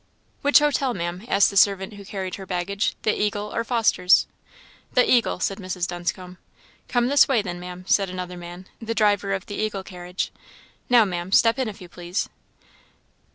"Which hotel, Maam?" asked the servant who carried her baggage "the Eagle, or Foster's?" "The Eagle," said Mrs. Dunscombe. "Come this way, then, Maam," said another man, the driver of the Eagle carriage; "now, Maam, step in, if you please."